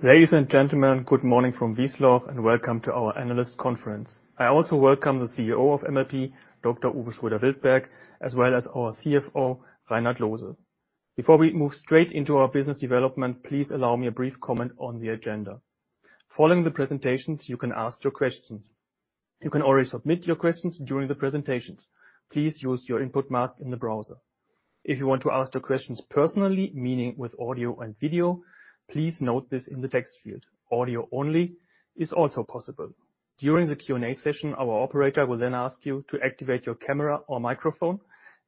Ladies and gentlemen, good morning from Wiesloch and welcome to our analyst conference. I also welcome the CEO of MLP, Dr. Uwe Schroeder-Wildberg, as well as our CFO, Reinhard Loose. Before we move straight into our business development, please allow me a brief comment on the agenda. Following the presentations, you can ask your questions. You can already submit your questions during the presentations. Please use your input mask in the browser. If you want to ask your questions personally, meaning with audio and video, please note this in the text field. Audio only is also possible. During the Q&A session, our operator will then ask you to activate your camera or microphone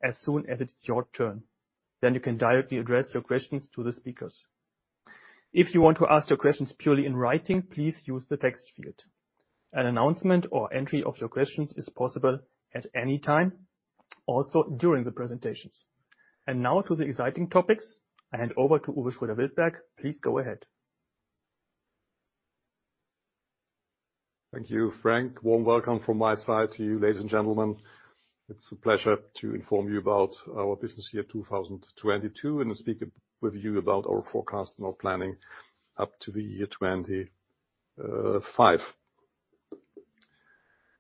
as soon as it's your turn. You can directly address your questions to the speakers. If you want to ask your questions purely in writing, please use the text field. An announcement or entry of your questions is possible at any time, also during the presentations. Now to the exciting topics. I hand over to Uwe Schroeder-Wildberg. Please go ahead. Thank you, Frank. Warm welcome from my side to you, ladies and gentlemen. It's a pleasure to inform you about our business year 2022, and to speak with you about our forecast and our planning up to the year 2025.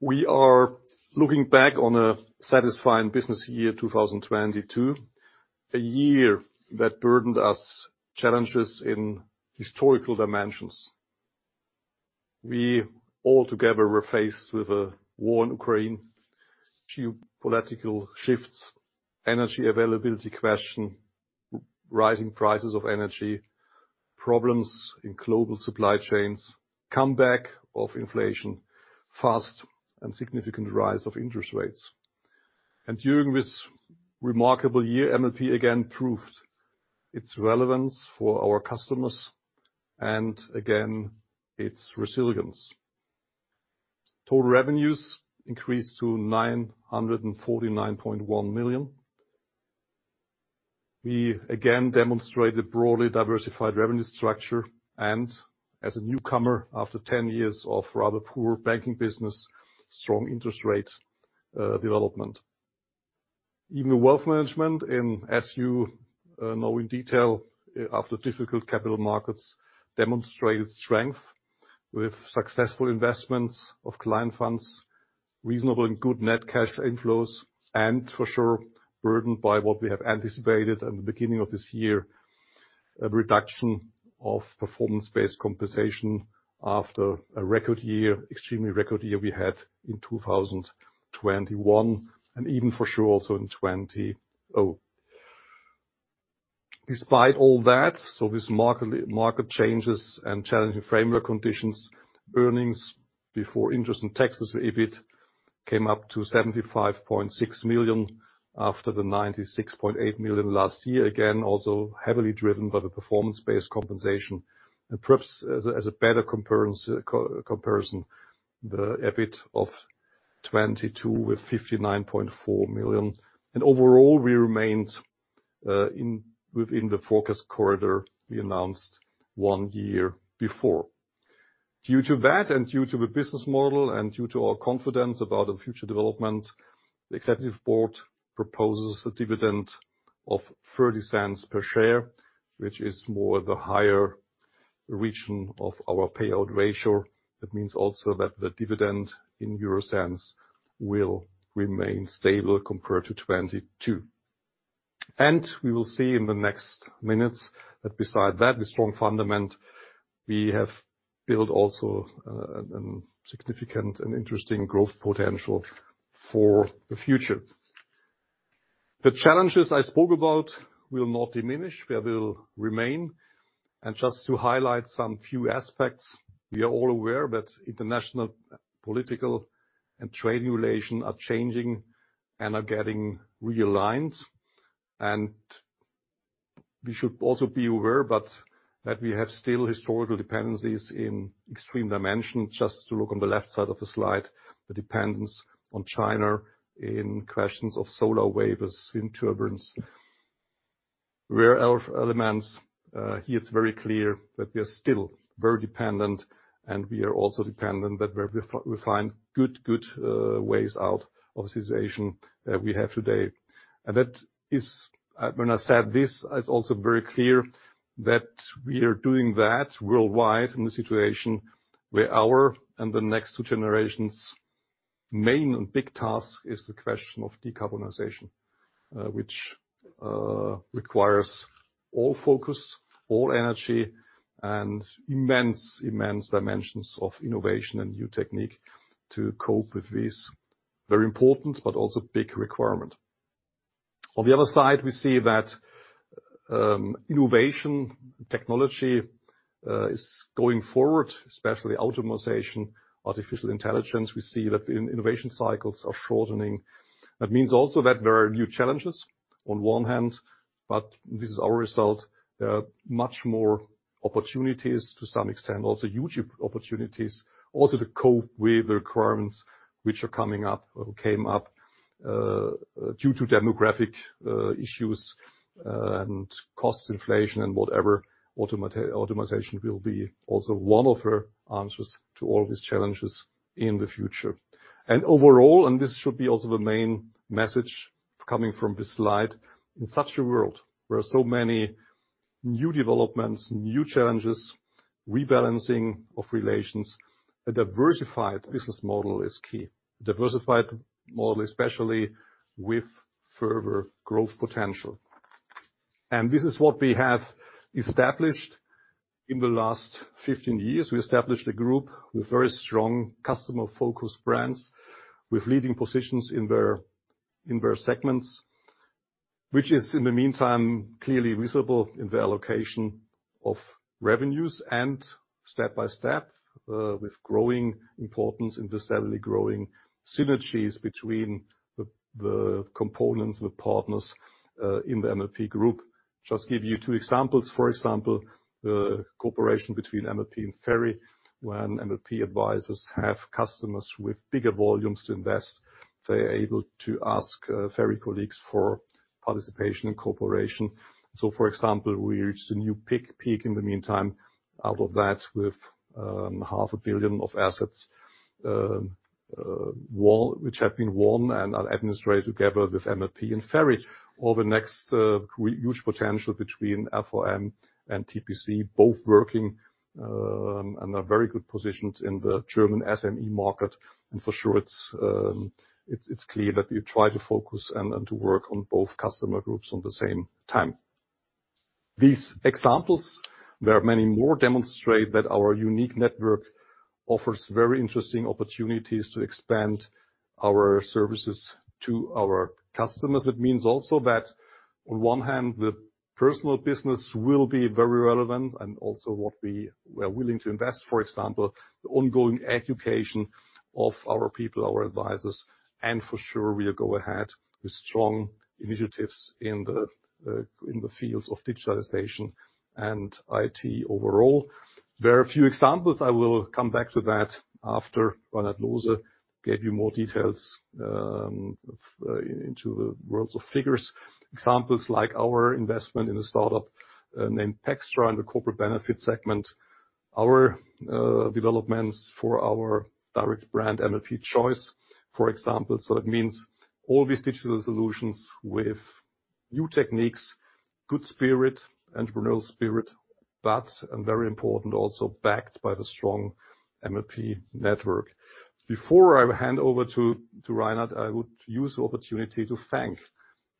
We are looking back on a satisfying business year 2022, a year that burdened us challenges in historical dimensions. We all together were faced with a war in Ukraine, geopolitical shifts, energy availability question, rising prices of energy, problems in global supply chains, comeback of inflation, fast and significant rise of interest rates. During this remarkable year, MLP again proved its relevance for our customers and again its resilience. Total revenues increased to 949.1 million. We again demonstrated broadly diversified revenue structure as a newcomer after 10 years of rather poor banking business, strong interest rate development. Even wealth management in, as you know in detail, after difficult capital markets demonstrated strength with successful investments of client funds, reasonable and good net cash inflows, and for sure burdened by what we have anticipated at the beginning of this year, a reduction of performance-based compensation after a record year, extremely record year we had in 2021, and even for sure, also in 2020. Despite all that, with market changes and challenging framework conditions, earnings before interest and taxes, the EBIT, came up to 75.6 million after the 96.8 million last year. Again, also heavily driven by the performance-based compensation. Perhaps as a better comparison, the EBIT of 2022 with 59.4 million. Overall, we remained within the forecast corridor we announced one year before. Due to that, and due to the business model, and due to our confidence about the future development, the executive board proposes a dividend of 0.30 per share, which is more the higher region of our payout ratio. That means also that the dividend in EUR cents will remain stable compared to 2022. We will see in the next minutes that beside that, the strong fundament we have built also an significant and interesting growth potential for the future. The challenges I spoke about will not diminish. They will remain. Just to highlight some few aspects, we are all aware that international political and trade relations are changing and are getting realigned. We should also be aware that we have still historical dependencies in extreme dimensions. Just to look on the left side of the slide, the dependence on China in questions of solar wafers, wind turbines. Rare earth elements, here it's very clear that we are still very dependent, and we are also dependent, but we find good ways out of the situation that we have today. That is, when I said this, it's also very clear that we are doing that worldwide in the situation where our and the next two generations' main and big task is the question of decarbonization. Which requires all focus, all energy, and immense dimensions of innovation and new technique to cope with this very important but also big requirement. On the other side, we see that innovation technology is going forward, especially optimization, artificial intelligence. We see that in innovation cycles are shortening. That means also that there are new challenges on one hand, but this is our result. There are much more opportunities to some extent, also huge opportunities also to cope with the requirements which are coming up or came up due to demographic issues and cost inflation and whatever. Optimization will be also one of our answers to all these challenges in the future. Overall, and this should be also the main message coming from this slide. In such a world, where so many new developments, new challenges, rebalancing of relations, a diversified business model is key. Diversified model, especially with further growth potential. This is what we have established in the last 15 years. We established a group with very strong customer-focused brands, with leading positions in their segments, which is in the meantime, clearly visible in the allocation of revenues and step by step, with growing importance in the steadily growing synergies between the components, the partners, in the MLP Group. Just give you two examples. For example, the cooperation between MLP and FERI. When MLP advisors have customers with bigger volumes to invest, they're able to ask FERI colleagues for participation and cooperation. For example, we reached a new peak in the meantime, out of that, with 0.5 Billion of assets which have been won and are administered together with MLP and FERI. The next huge potential between RVM and TPC, both working and are very good positioned in the German SME market. For sure it's clear that we try to focus and to work on both customer groups on the same time. These examples, there are many more, demonstrate that our unique network offers very interesting opportunities to expand our services to our customers. That means also that on one hand, the personal business will be very relevant and also what we are willing to invest, for example, the ongoing education of our people, our advisors. For sure we'll go ahead with strong initiatives in the fields of digitization and IT overall. There are a few examples, I will come back to that after Reinhard Loose gave you more details into the worlds of figures. Examples like our investment in a startup named :pxtra in the corporate benefit segment. Our developments for our direct brand, MLP Choice, for example. It means all these digital solutions with new techniques, good spirit, entrepreneurial spirit, but, and very important, also backed by the strong MLP network. Before I hand over to Reinhard, I would use the opportunity to thank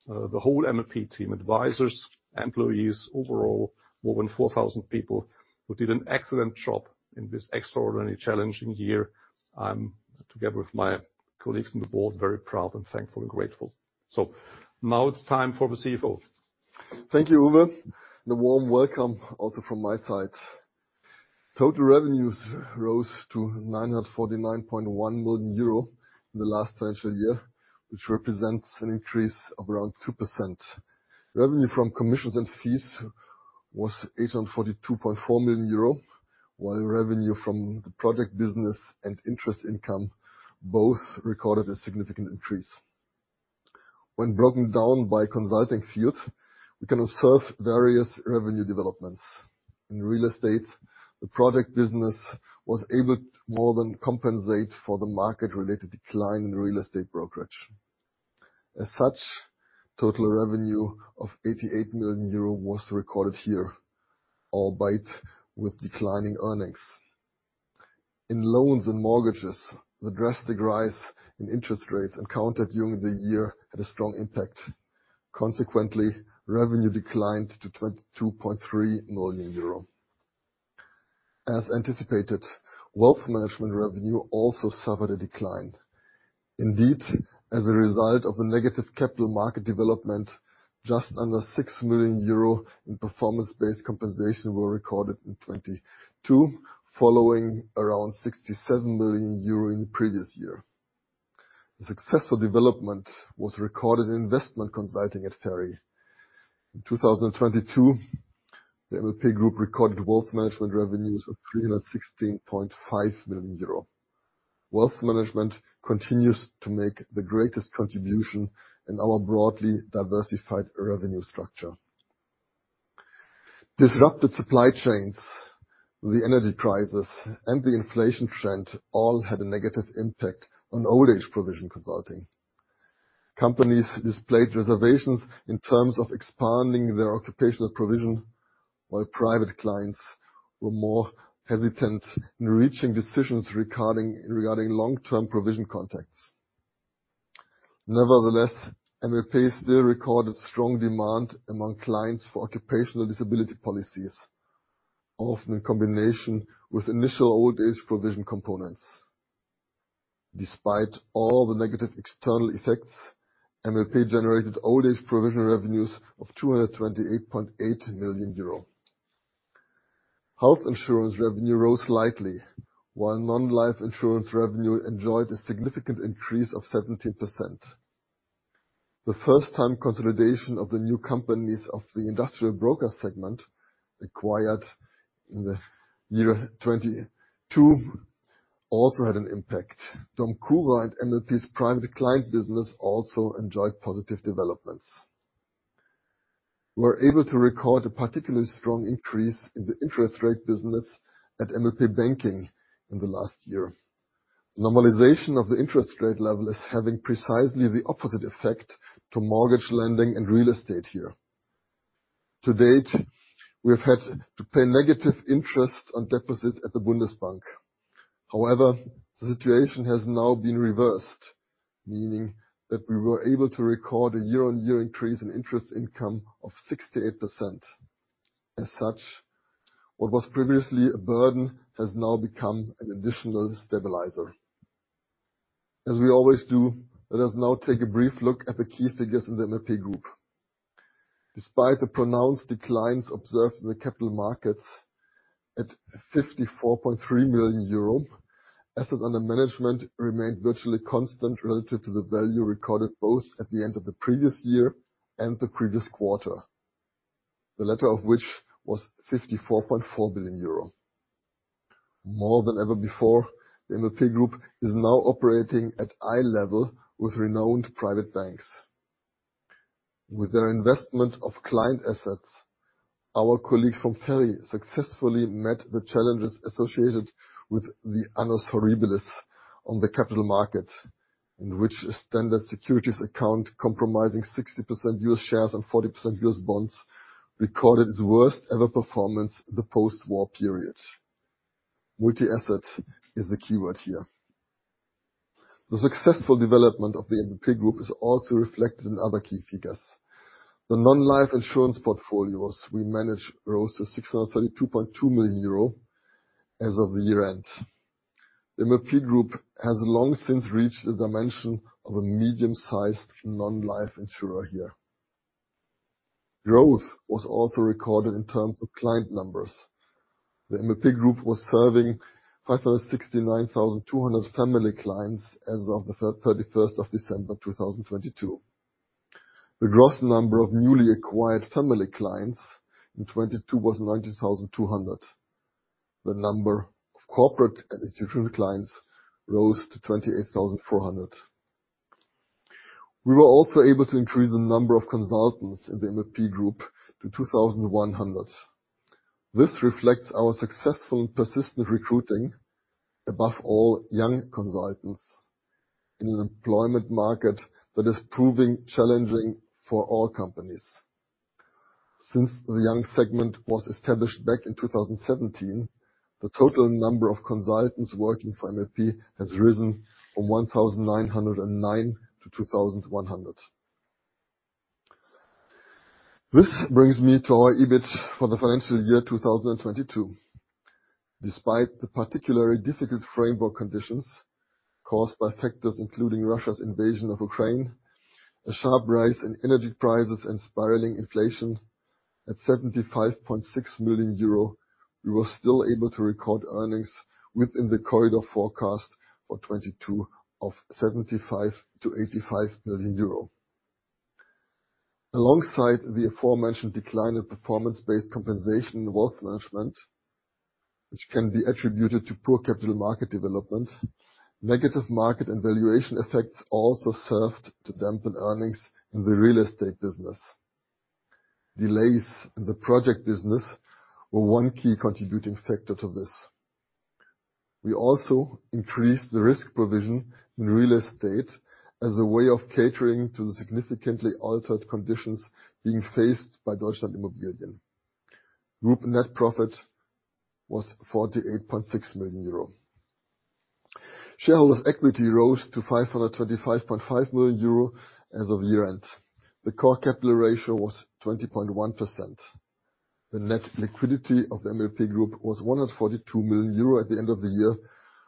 the whole MLP team, advisors, employees, overall, more than 4,000 people who did an excellent job in this extraordinary challenging year. I'm, together with my colleagues on the board, very proud and thankful and grateful. Now it's time for the CFO. Thank you, Uwe. The warm welcome also from my side. Total revenues rose to 949.1 million euro in the last financial year, which represents an increase of around 2%. Revenue from commissions and fees was 842.4 million euro, while revenue from the product business and interest income both recorded a significant increase. When broken down by consulting field, we can observe various revenue developments. In real estate, the product business was able to more than compensate for the market-related decline in real estate brokerage. As such, total revenue of 88 million euro was recorded here, albeit with declining earnings. In loans and mortgages, the drastic rise in interest rates encountered during the year had a strong impact. Consequently, revenue declined to 22.3 million euro. As anticipated, wealth management revenue also suffered a decline. Indeed, as a result of the negative capital market development, just under 6 million euro in performance-based compensation were recorded in 2022, following around 67 million euro in the previous year. The successful development was recorded in investment consulting at FERI. In 2022, the MLP Group recorded wealth management revenues of 316.5 million euro. Wealth management continues to make the greatest contribution in our broadly diversified revenue structure. Disruptive supply chains, the energy crisis, and the inflation trend all had a negative impact on old age provision consulting. Companies displayed reservations in terms of expanding their occupational provision, while private clients were more hesitant in reaching decisions regarding long-term provision contacts. Nevertheless, MLP still recorded strong demand among clients for occupational disability policies, often in combination with initial old age provision components. Despite all the negative external effects, MLP generated old age provision revenues of 228.8 million euro. Health insurance revenue rose slightly, while non-life insurance revenue enjoyed a significant increase of 17%. The first time consolidation of the new companies of the industrial broker segment acquired in the year 2022 also had an impact. DOMCURA, MLP's private client business, also enjoyed positive developments. We were able to record a particularly strong increase in the interest rate business at MLP Banking in the last year. Normalization of the interest rate level is having precisely the opposite effect to mortgage lending and real estate here. To date, we have had to pay negative interest on deposits at the Bundesbank. The situation has now been reversed, meaning that we were able to record a year-on-year increase in interest income of 68%. What was previously a burden has now become an additional stabilizer. As we always do, let us now take a brief look at the key figures in the MLP Group. Despite the pronounced declines observed in the capital markets at 54.3 million euro, assets under management remained virtually constant relative to the value recorded both at the end of the previous year and the previous quarter, the latter of which was 54.4 billion euro. More than ever before, the MLP Group is now operating at eye level with renowned private banks. With their investment of client assets, our colleagues from FERI successfully met the challenges associated with the annus horribilis on the capital market, in which a standard securities account compromising 60% U.S. shares and 40% U.S. bonds recorded its worst ever performance in the post-war period. Multi-asset is the keyword here. The successful development of the MLP Group is also reflected in other key figures. The non-life insurance portfolios we manage rose to 632.2 million euro as of year-end. The MLP Group has long since reached the dimension of a medium-sized non-life insurer here. Growth was also recorded in terms of client numbers. The MLP Group was serving 569,200 family clients as of the 31st of December 2022. The gross number of newly acquired family clients in 2022 was 90,200. The number of corporate and institutional clients rose to 28,400. We were also able to increase the number of consultants in the MLP Group to 2,100. This reflects our successful persistent recruiting, above all, young consultants in an employment market that is proving challenging for all companies. Since the young segment was established back in 2017, the total number of consultants working for MLP has risen from 1,909 to 2,100. This brings me to our EBIT for the financial year 2022. Despite the particularly difficult framework conditions caused by factors including Russia's invasion of Ukraine, a sharp rise in energy prices and spiraling inflation, at 75.6 million euro, we were still able to record earnings within the corridor forecast for 2022 of 75 million-85 million euro. Alongside the aforementioned decline in performance-based compensation in wealth management, which can be attributed to poor capital market development, negative market and valuation effects also served to dampen earnings in the real estate business. Delays in the project business were one key contributing factor to this. We also increased the risk provision in real estate as a way of catering to the significantly altered conditions being faced by DEUTSCHLAND.Immobilien. Group net profit was 48.6 million euro. Shareholder equity rose to 525.5 million euro as of year-end. The core capital ratio was 20.1%. The net liquidity of the MLP Group was 142 million euro at the end of the year,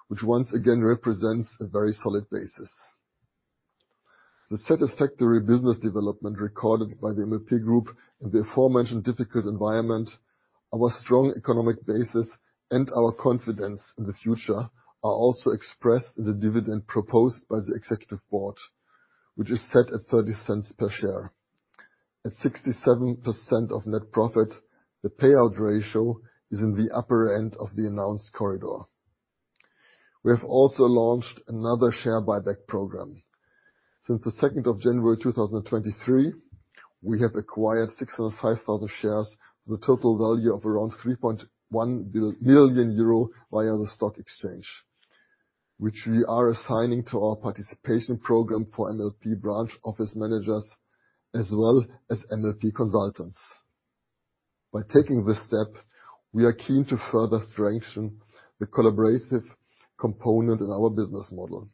which once again represents a very solid basis. The satisfactory business development recorded by the MLP Group in the aforementioned difficult environment, our strong economic basis, and our confidence in the future are also expressed in the dividend proposed by the executive board, which is set at 0.30 per share. At 67% of net profit, the payout ratio is in the upper end of the announced corridor. We have also launched another share buyback program. Since the second of January 2023, we have acquired 605,000 shares with a total value of around 3.1 billion euro via the stock exchange, which we are assigning to our participation program for MLP branch office managers as well as MLP consultants. By taking this step, we are keen to further strengthen the collaborative component in our business model.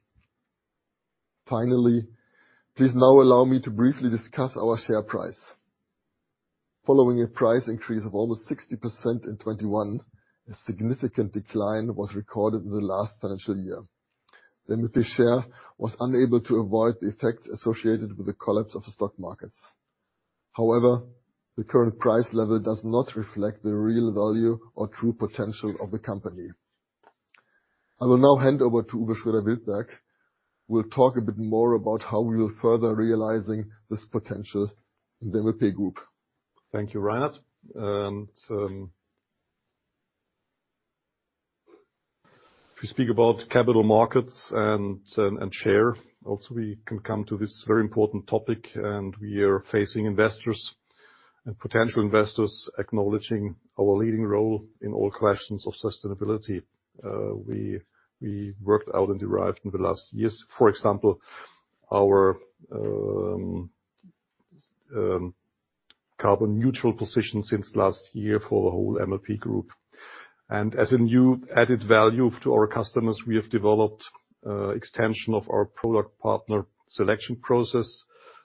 Please now allow me to briefly discuss our share price. Following a price increase of almost 60% in 2021, a significant decline was recorded in the last financial year. The MLP share was unable to avoid the effects associated with the collapse of the stock markets. However, the current price level does not reflect the real value or true potential of the company. I will now hand over to Uwe Schroeder-Wildberg, who will talk a bit more about how we are further realizing this potential in the MLP Group. Thank you, Reinhard. If you speak about capital markets and share, we can come to this very important topic. We are facing investors and potential investors acknowledging our leading role in all questions of sustainability. We worked out and derived in the last years, for example, our carbon neutral position since last year for the whole MLP Group. As a new added value to our customers, we have developed extension of our product partner selection process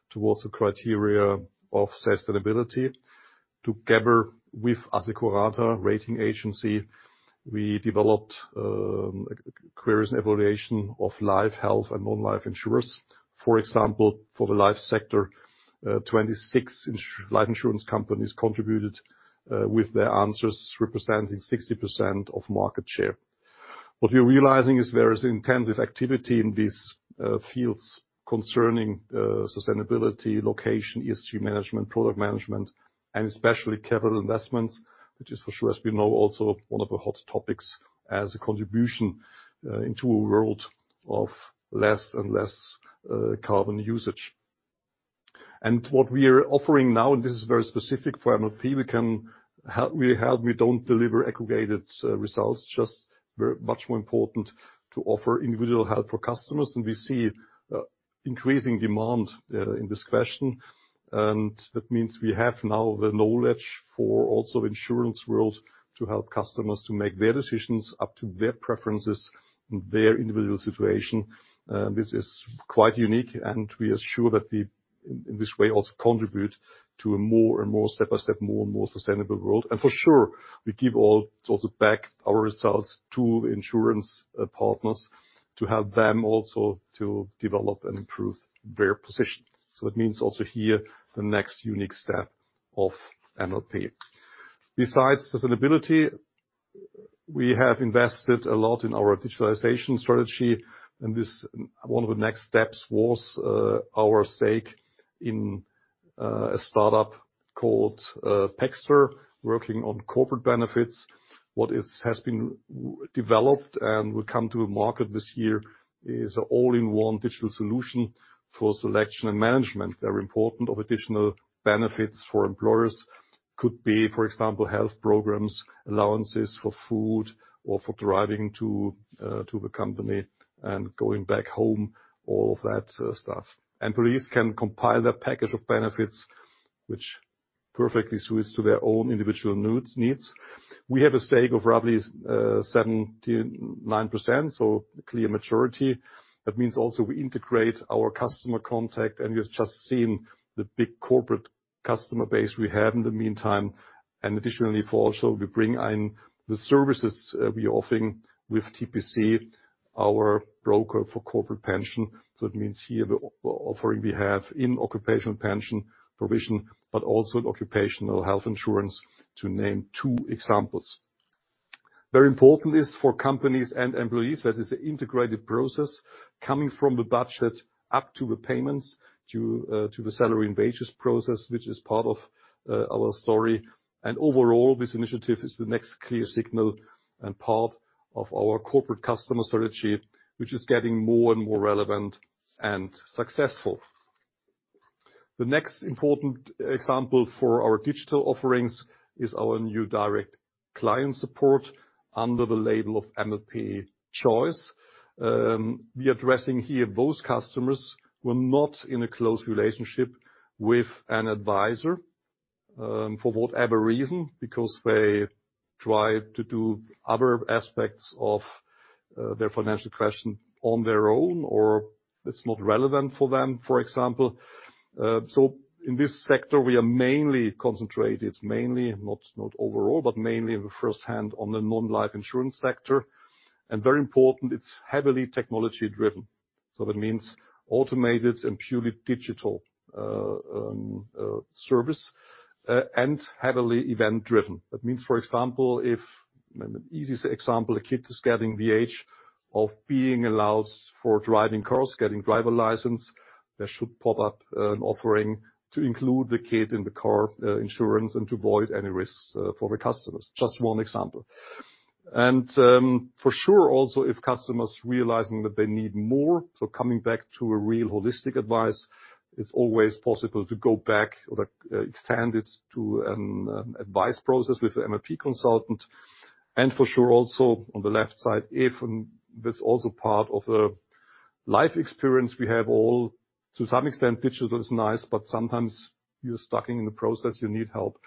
towards the criteria of sustainability. Together with Assekurata rating agency, we developed queries and evaluation of life, health, and non-life insurers. For example, for the life sector, 26 life insurance companies contributed with their answers, representing 60% of market share. What we're realizing is there is intensive activity in these fields concerning sustainability, location, ESG management, product management, and especially capital investments, which is for sure, as we know, also one of the hot topics as a contribution into a world of less and less carbon usage. What we are offering now, and this is very specific for MLP, we help. We don't deliver aggregated results. Just very much more important to offer individual help for customers, and we see increasing demand in this question. That means we have now the knowledge for also insurance world to help customers to make their decisions up to their preferences in their individual situation. This is quite unique, and we are sure that we, in this way, also contribute to a more and more, step-by-step, more and more sustainable world. For sure, we give all sorts of back our results to insurance partners to help them also to develop and improve their position. That means also here, the next unique step of MLP. Besides sustainability, we have invested a lot in our digitalization strategy, and this, one of the next steps was our stake in a startup called :pxtra, working on corporate benefits. What is, has been developed and will come to the market this year is a all-in-one digital solution for selection and management. Very important of additional benefits for employers could be, for example, health programs, allowances for food, or for driving to the company and going back home, all of that stuff. Employees can compile their package of benefits, which perfectly suits to their own individual needs. We have a stake of roughly 79%, so clear majority. That means also we integrate our customer contact, and you've just seen the big corporate customer base we have in the meantime. Additionally, for also we bring in the services we offering with TPC, our broker for corporate pension. It means here the offer we have in occupational pension provision, but also in occupational health insurance, to name two examples. Very important is for companies and employees, that is an integrated process coming from the budget up to the payments to the salary and wages process, which is part of our story. Overall, this initiative is the next clear signal and part of our corporate customer strategy, which is getting more and more relevant and successful. The next important example for our digital offerings is our new direct client support under the label of MLP Choice. We're addressing here those customers who are not in a close relationship with an advisor, for whatever reason, because they try to do other aspects of their financial question on their own, or it's not relevant for them, for example. In this sector, we are mainly concentrated, not overall, but mainly in the first hand on the non-life insurance sector. Very important, it's heavily technology driven. That means automated and purely digital service and heavily event driven. That means, for example, if, an easiest example, a kid is getting the age of being allowed for driving cars, getting driver license, there should pop up an offering to include the kid in the car, insurance and to avoid any risks, for the customers. Just one example. For sure, also, if customers realizing that they need more, so coming back to a real holistic advice, it's always possible to go back or, like, extend it to an advice process with the MLP consultant. For sure, also, on the left side, if that's also part of a life experience we have all, to some extent, digital is nice, but sometimes you're stuck in the process, you need help.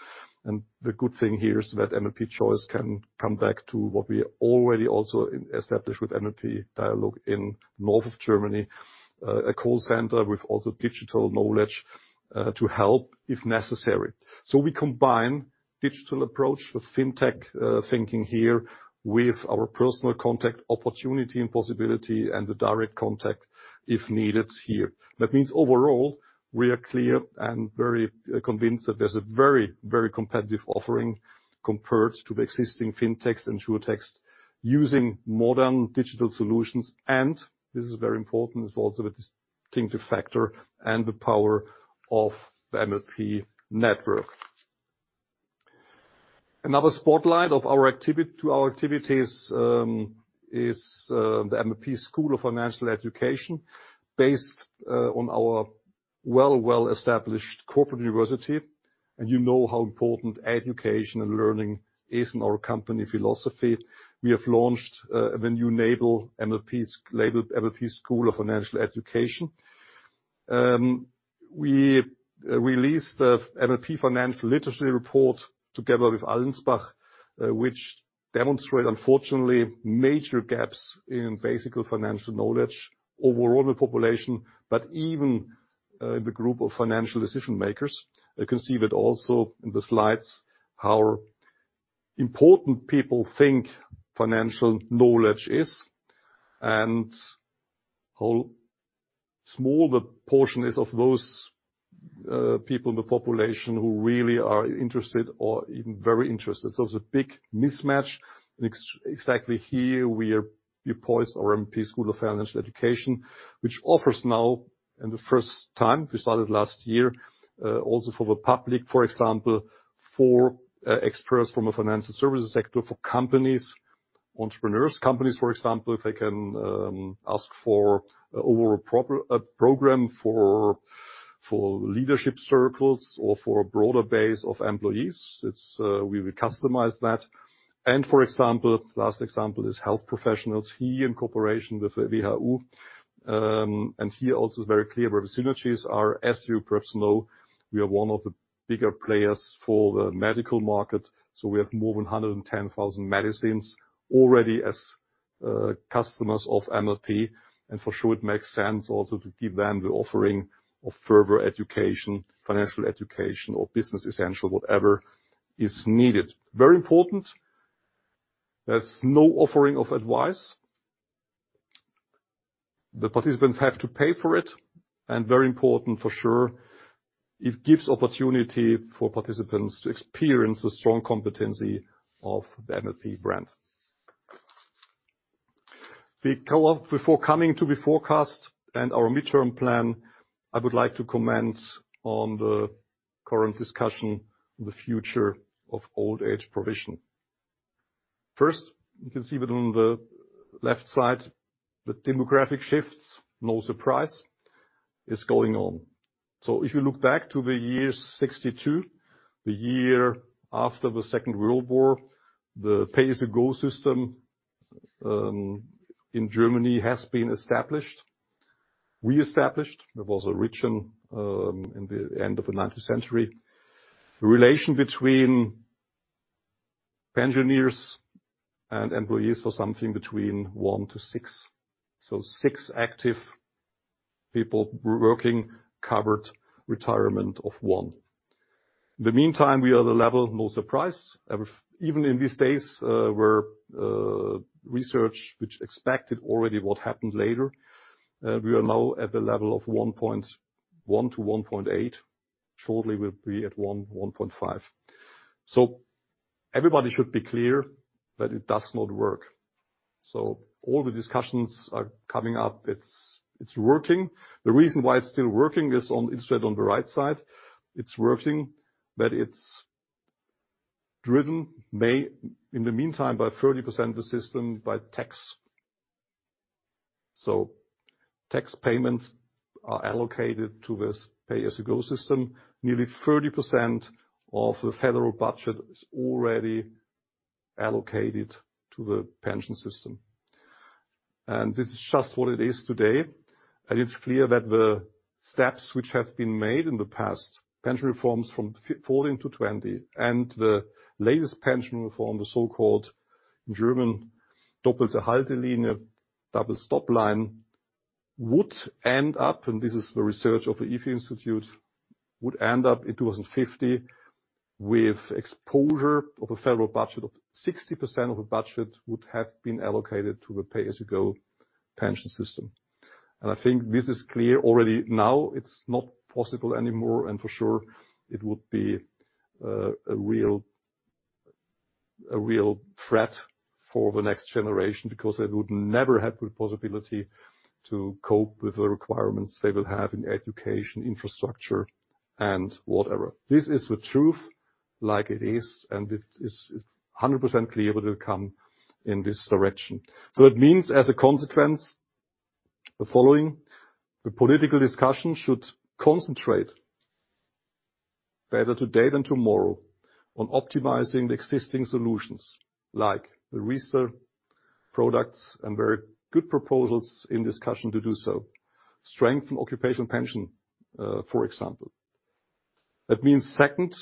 The good thing here is that MLP Choice can come back to what we already also established with MLP dialogue in north of Germany, a call center with also digital knowledge to help if necessary. We combine digital approach with fintech thinking here, with our personal contact opportunity and possibility and the direct contact if needed here. That means overall, we are clear and very convinced that there's a very, very competitive offering compared to the existing fintechs, insurtechs, using modern digital solutions. This is very important. It's also a distinctive factor and the power of the MLP network. Another spotlight of our activities, is the MLP School of Financial Education. Based on our well established corporate university. You know how important education and learning is in our company philosophy. We have launched a new label MLP labeled MLP School of Financial Education. We released the MLP Financial Literacy Report together with Allensbach, which demonstrate, unfortunately, major gaps in basic financial knowledge overall in the population. Even the group of financial decision-makers. You can see that also in the slides, how important people think financial knowledge is, and how small the portion is of those people in the population who really are interested or even very interested. It's a big mismatch. Exactly here, we are, we poised our MLP School of Financial Education, which offers now, in the first time, we started last year, also for the public, for example, for experts from a financial services sector, for companies, entrepreneurs. Companies, for example, if they can ask for a program for leadership circles or for a broader base of employees, it's we will customize that. For example, last example is health professionals, here in cooperation with WHU. Here also is very clear where the synergies are. As you perhaps know, we are one of the bigger players for the medical market. We have more than 110,000 medicines already as customers of MLP. For sure it makes sense also to give them the offering of further education, financial education, or business essential, whatever is needed. Very important, there's no offering of advice. The participants have to pay for it. Very important for sure, it gives opportunity for participants to experience the strong competency of the MLP brand. The co-op. Before coming to the forecast and our midterm plan, I would like to comment on the current discussion, the future of old age provision. First, you can see that on the left side, the demographic shifts, no surprise, is going on. If you look back to the year 62, the year after the Second World War, the pay-as-you-go system in Germany has been established. Re-established. There was a region in the end of the 19th century. The relation between engineers and employees was something between one to six. So six active people working covered retirement of one. In the meantime, we are the level, no surprise. Even in these days, where research which expected already what happens later, we are now at the level of 1.1 to 1.8. Shortly, we'll be at 1 to 1.5. Everybody should be clear that it does not work. All the discussions are coming up. It's working. The reason why it's still working is on the right side. It's working, but it's driven in the meantime by 30% the system by tax. Tax payments are allocated to this pay-as-you-go system. Nearly 30% of the federal budget is already allocated to the pension system. This is just what it is today. It's clear that the steps which have been made in the past, pension reforms from 14 to 20, and the latest pension reform, the so-called German doppelte Haltelinie, double stop line, would end up, and this is the research of the ifo Institute, would end up in 2050 with exposure of a federal budget of 60% of the budget would have been allocated to the pay-as-you-go pension system. I think this is clear already now, it's not possible anymore. For sure, it would be a real threat for the next generation because they would never have the possibility to cope with the requirements they will have in education, infrastructure, and whatever. This is the truth like it is, and it is 100% clear it will come in this direction. It means, as a consequence, the following. The political discussion should concentrate better today than tomorrow on optimizing the existing solutions, like the research products and very good proposals in discussion to do so. Strengthen occupational pension, for example. That means second,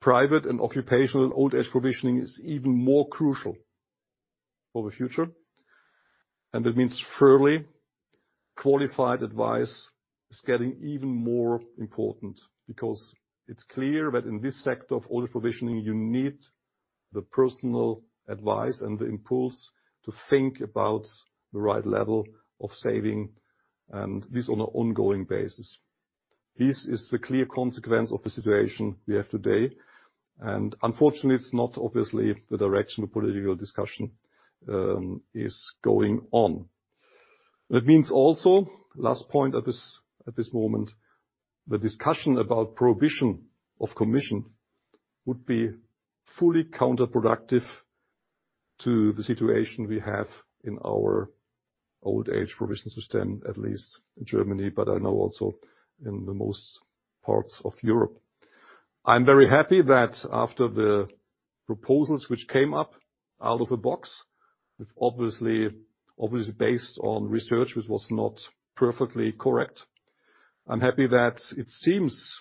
private and occupational old age provisioning is even more crucial for the future. That means, thirdly, qualified advice is getting even more important because it's clear that in this sector of older provisioning, you need the personal advice and the impulse to think about the right level of saving, and this on an ongoing basis. This is the clear consequence of the situation we have today. Unfortunately, it's not obviously the direction the political discussion is going on. That means also, last point at this moment, the discussion about prohibition of commission would be fully counterproductive to the situation we have in our old age provision system, at least in Germany, but I know also in the most parts of Europe. I'm very happy that after the proposals which came up out of the box, it's obviously based on research which was not perfectly correct. I'm happy that it seems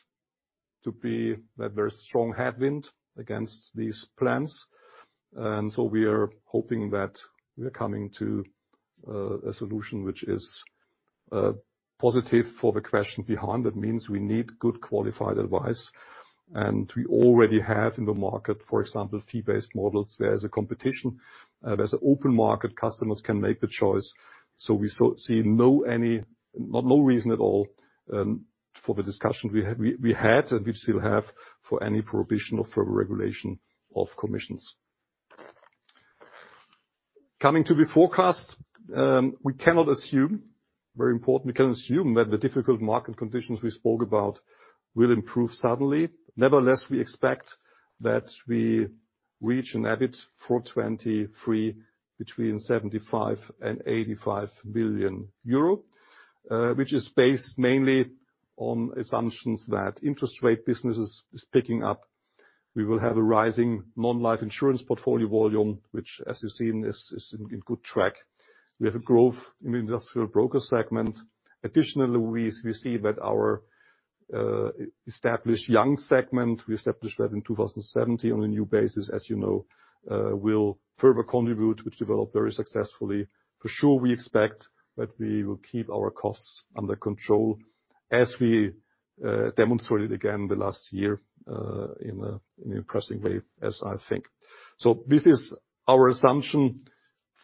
to be a very strong headwind against these plans. So we are hoping that we are coming to a solution which is positive for the question behind. That means we need good qualified advice. We already have in the market, for example, fee-based models. There's a competition. There's open market, customers can make the choice. We sort see no reason at all for the discussion we had and we still have, for any prohibition or further regulation of commissions. Coming to the forecast, we cannot assume, very important, we cannot assume that the difficult market conditions we spoke about will improve suddenly. Nevertheless, we expect that we reach an EBIT for 2023 between 75 billion and 85 billion euro, which is based mainly on assumptions that interest rate business is picking up. We will have a rising non-life insurance portfolio volume, which, as you've seen, is in good track. We have a growth in the industrial broker segment. Additionally, we see that our established young segment, we established that in 2017 on a new basis, as you know, will further contribute, which developed very successfully. For sure, we expect that we will keep our costs under control as we demonstrated again last year in an impressive way, as I think. This is our assumption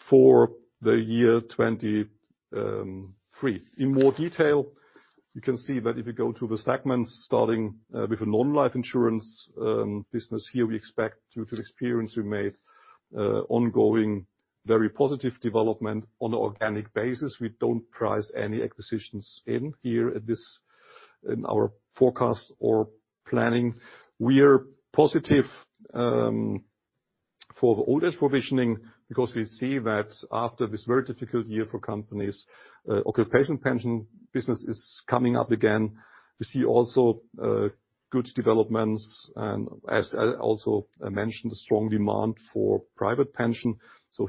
for the year 2023. In more detail, you can see that if you go to the segments, starting with a non-life insurance business here, we expect due to the experience we made, ongoing, very positive development on an organic basis. We don't price any acquisitions in here at this in our forecast or planning. We are positive for the oldest provisioning because we see that after this very difficult year for companies, occupational pension business is coming up again. We see also good developments and as I also mentioned, a strong demand for private pension.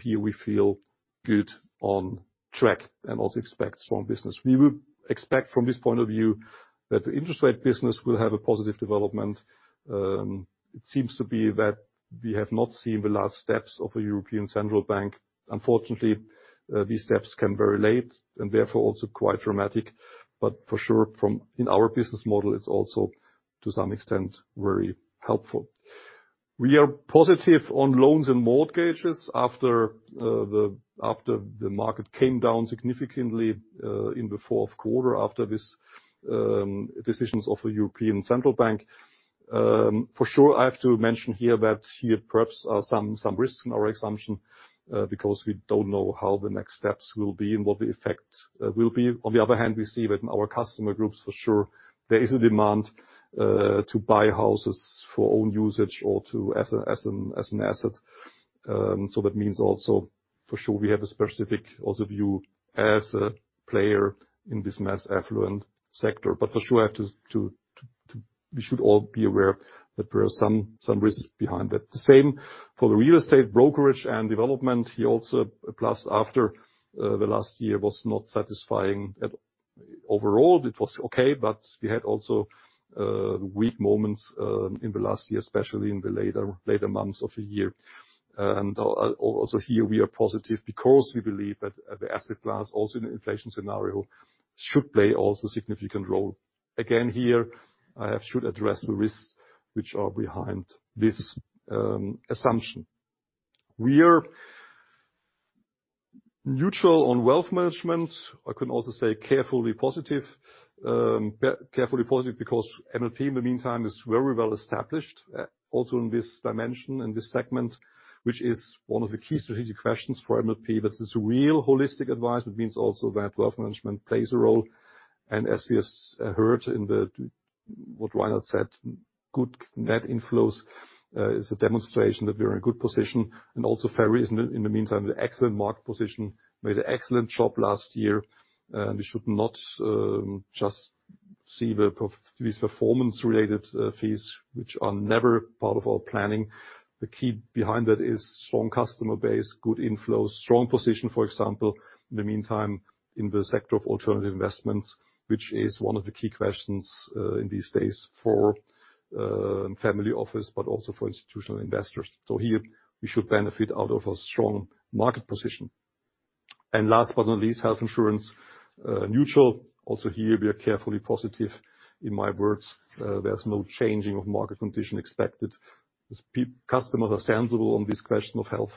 Here we feel good on track and also expect strong business. We will expect from this point of view that the interest rate business will have a positive development. It seems to be that we have not seen the last steps of a European Central Bank. Unfortunately, these steps come very late and therefore also quite dramatic. For sure, in our business model, it's also to some extent very helpful. We are positive on loans and mortgages after the market came down significantly in the fourth quarter, after this decisions of the European Central Bank. For sure, I have to mention here that here perhaps are some risks in our assumption, because we don't know how the next steps will be and what the effect will be. On the other hand, we see that in our customer groups, for sure, there is a demand to buy houses for own usage or to, as an asset. That means also for sure we have a specific also view as a player in this mass affluent sector. For sure, I have to we should all be aware that there are some risks behind that. The same for the real estate brokerage and development here also, plus after the last year was not satisfying at all. Overall, it was okay, but we had also weak moments in the last year, especially in the later months of the year. Also here we are positive because we believe that the asset class, also in an inflation scenario, should play also a significant role. Here, I should address the risks which are behind this assumption. We are neutral on wealth management. I can also say carefully positive. Carefully positive because MLP in the meantime is very well established also in this dimension, in this segment, which is one of the key strategic questions for MLP. It's real holistic advice. That means also that wealth management plays a role. As you have heard in the, what Reinhard said, good net inflows is a demonstration that we're in a good position. Also, Fairways in the meantime, the excellent market position made an excellent job last year. We should not just see these performance-related fees, which are never part of our planning. The key behind that is strong customer base, good inflows, strong position, for example, in the meantime, in the sector of alternative investments, which is one of the key questions in these days for family office, but also for institutional investors. Here we should benefit out of a strong market position. Last but not least, health insurance neutral. Also here, we are carefully positive. In my words, there's no changing of market condition expected. Customers are sensible on this question of health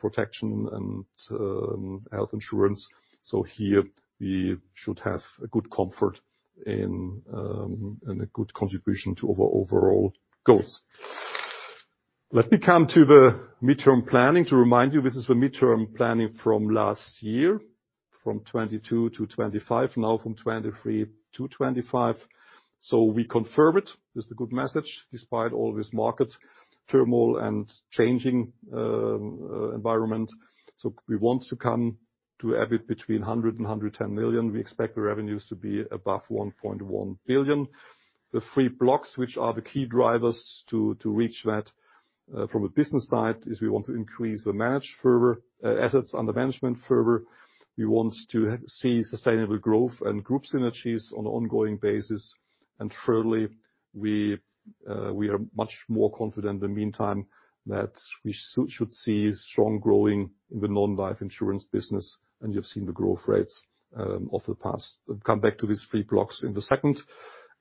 protection and health insurance. Here we should have a good comfort in a good contribution to our overall goals. Let me come to the midterm planning. To remind you, this is the midterm planning from last year, from 2022 to 2025, now from 2023 to 2025. We confirm it. This is a good message, despite all this market turmoil and changing environment. We want to come to EBIT between 100 million and 110 million. We expect the revenues to be above 1.1 billion. The three blocks, which are the key drivers to reach that from a business side, is we want to increase the assets under management further. We want to see sustainable growth and group synergies on ongoing basis. Thirdly, we are much more confident in the meantime that we should see strong growing in the non-life insurance business, and you've seen the growth rates of the past. I'll come back to these three blocks in a second.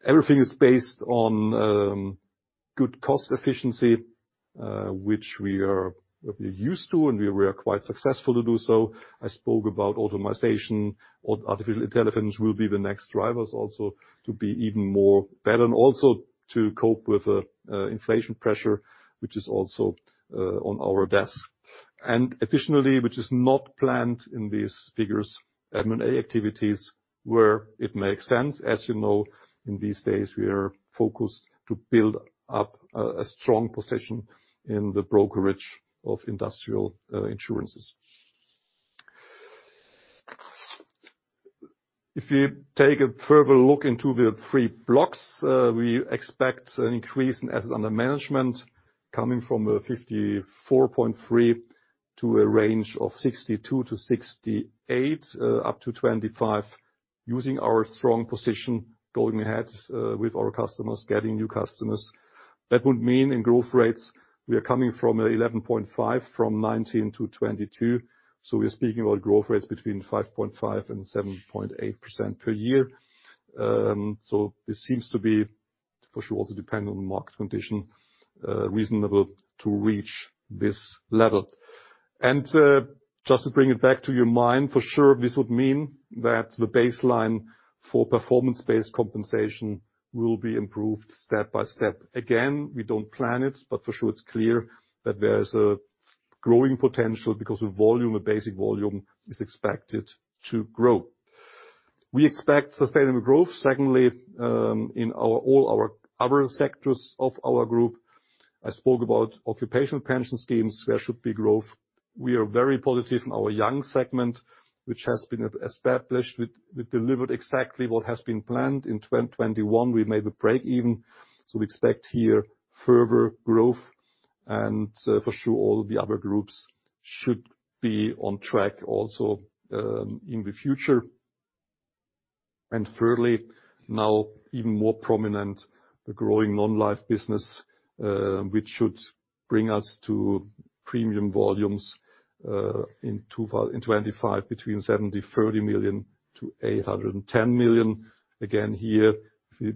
Everything is based on good cost efficiency, which we are used to, and we are quite successful to do so. I spoke about automation or artificial intelligence will be the next drivers also to be even more better and also to cope with inflation pressure, which is also on our desk. Additionally, which is not planned in these figures, M&A activities where it makes sense. As you know, in these days, we are focused to build up a strong position in the brokerage of industrial insurances. If you take a further look into the three blocks, we expect an increase in assets under management coming from 54.3 to a range of 62-68 up to 2025, using our strong position, going ahead with our customers, getting new customers. That would mean in growth rates, we are coming from 11.5% from 2019 to 2022. We're speaking about growth rates between 5.5% and 7.8% per year. This seems to be, for sure, also depend on market condition, reasonable to reach this level. Just to bring it back to your mind, for sure, this would mean that the baseline for performance-based compensation will be improved step by step. Again, we don't plan it, but for sure, it's clear that there's a growing potential because the volume, the basic volume is expected to grow. We expect sustainable growth. Secondly, in all our other sectors of our group, I spoke about occupational pension schemes. There should be growth. We are very positive in our young segment, which has been established. We delivered exactly what has been planned. In 2021, we made the break even. We expect here further growth. For sure, all the other groups should be on track also in the future. Thirdly, now even more prominent, the growing non-life business, which should bring us to premium volumes in 2025, between EUR 730 million-EUR 810 million. Again, here, if you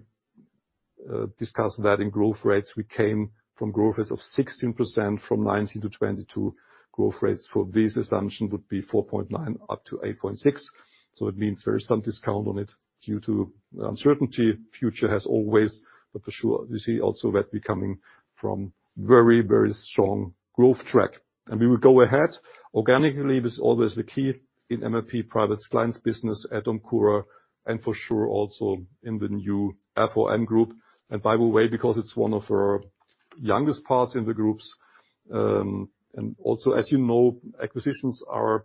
discuss that in growth rates, we came from growth rates of 16% from 2019 to 2022. Growth rates for this assumption would be 4.9% up to 8.6%. It means there is some discount on it due to uncertainty. Future has always, but for sure, you see also that we coming from very, very strong growth track. We will go ahead. Organically, this is always the key in MLP private clients business at DOMCURA, and for sure, also in the new RVM group. By the way, because it's one of our youngest parts in the groups, and also, as you know, acquisitions are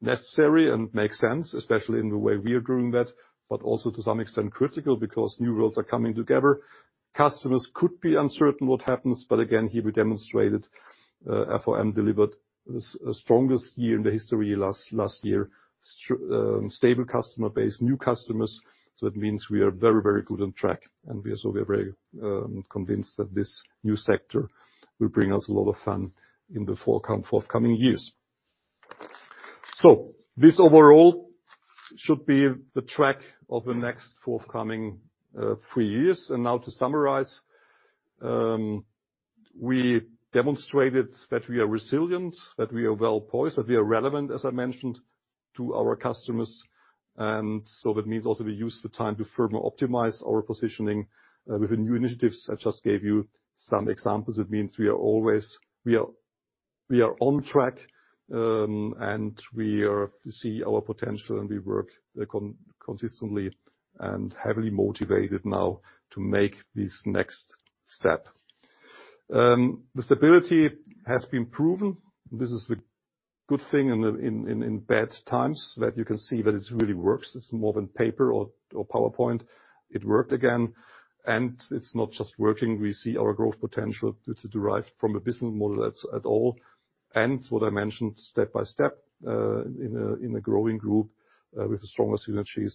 necessary and make sense, especially in the way we are doing that, but also to some extent, critical because new worlds are coming together. Customers could be uncertain what happens. Again, here we demonstrated, RVM delivered the strongest year in the history last year. Stable customer base, new customers. That means we are very, very good on track. We are so very convinced that this new sector will bring us a lot of fun in the forthcoming years. This overall should be the track of the next forthcoming three years. Now to summarize, we demon strated that we are resilient, that we are well-poised, that we are relevant, as I mentioned, to our customers. That means also we use the time to further optimize our positioning with the new initiatives. I just gave you some examples. It means we are always on track, and we see our potential, and we work consistently and heavily motivated now to make this next step. The stability has been proven. This is the good thing in bad times that you can see that it really works. It's more than paper or PowerPoint. It worked again. It's not just working. We see our growth potential to derive from a business model at all. What I mentioned step by step, in a growing group, with stronger synergies,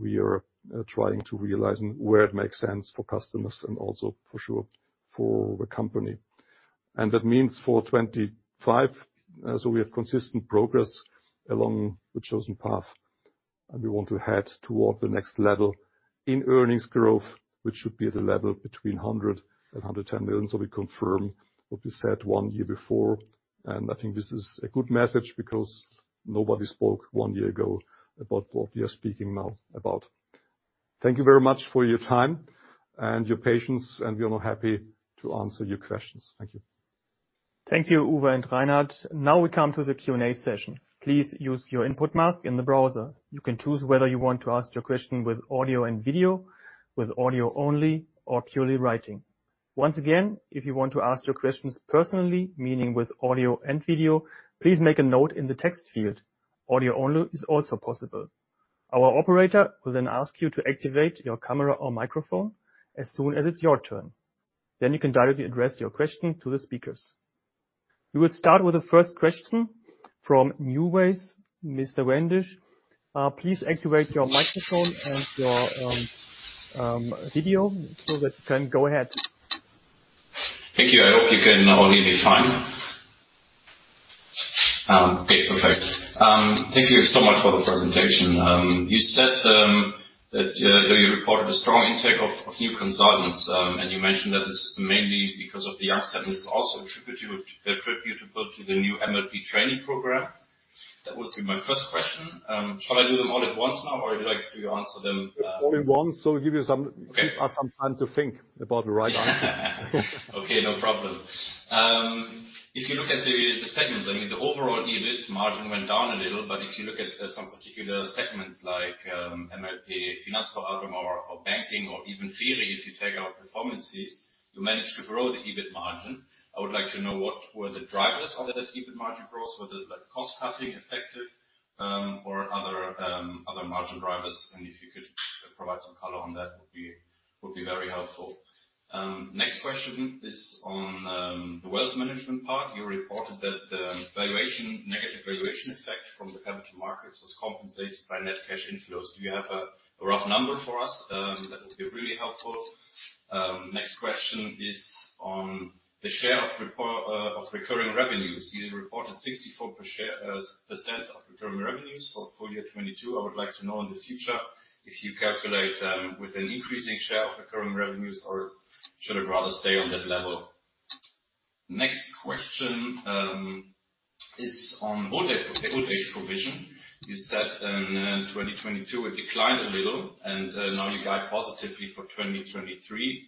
we are trying to realize and where it makes sense for customers and also for sure for the company. That means for 2025, we have consistent progress along the chosen path, and we want to head toward the next level in earnings growth, which should be at a level between 100 million and 110 million. We confirm what we said one year before. I think this is a good message because nobody spoke one year ago about what we are speaking now about. Thank you very much for your time and your patience, and we are now happy to answer your questions. Thank you. Thank you, Uwe and Reinhard. We come to the Q&A session. Please use your input mask in the browser. You can choose whether you want to ask your question with audio and video, with audio only, or purely writing. Once again, if you want to ask your questions personally, meaning with audio and video, please make a note in the text field. Audio only is also possible. Our operator will ask you to activate your camera or microphone as soon as it's your turn. You can directly address your question to the speakers. We will start with the first question from NuWays, Mr. Wendisch. Please activate your microphone and your video so that you can go ahead. Thank you. I hope you can all hear me fine. Okay, perfect. Thank you so much for the presentation. You said that, you know, you reported a strong intake of new consultants, and you mentioned that it's mainly because of the young segments. Also attributable to the new MLP training program. That would be my first question. Shall I do them all at once now, or would you like to answer them? All at once, so give you Okay. give us some time to think about the right answer. Okay, no problem. If you look at the segments, I mean, the overall EBIT margin went down a little. If you look at some particular segments like MLP Finanzberatung or banking or even FERI, if you take out performance fees, you managed to grow the EBIT margin. I would like to know what were the drivers of that EBIT margin growth. Was it, like, cost cutting effective or other other margin drivers? If you could provide some color on that would be very helpful. Next question is on the wealth management part. You reported that the valuation, negative valuation effect from the capital markets was compensated by net cash inflows. Do you have a rough number for us? That would be really helpful. Next question is on the share of recurring revenues. You reported 64% per share of recurring revenues for full year 2022. I would like to know in the future if you calculate with an increasing share of recurring revenues or should it rather stay on that level? Next question is on old age provision. You said in 2022 it declined a little. Now you guide positively for 2023.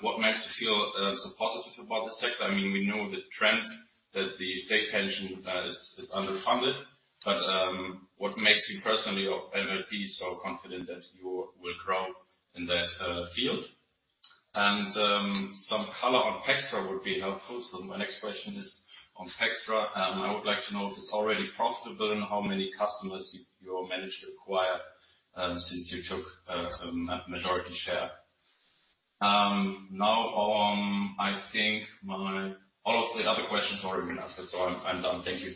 What makes you feel so positive about this sector? I mean, we know the trend that the state pension is underfunded. What makes you personally or MLP so confident that you will grow in that field? Some color on :pxtra would be helpful. My next question is on :pxtra. I would like to know if it's already profitable and how many customers you managed to acquire, since you took a majority share. Now on, I think All of the other questions have already been asked, so I'm done. Thank you.